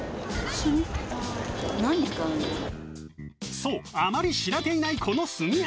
そうあまり知られていないこの炭八。